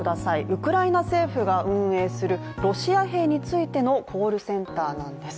ウクライナ政府が運営するロシア兵についてのコールセンターなんです